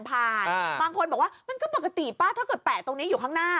บางคนบอกว่ามันก็ปกติป้าถ้าเกิดแปะตรงนี้อยู่ข้างหน้า